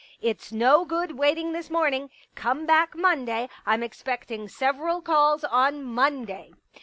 " It's no good waiting this morning. Come back Monday ; I'm expecting several calls on Monday."